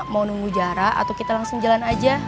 mau nunggu jarak atau kita langsung jalan aja